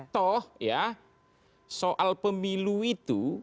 toh ya soal pemilu itu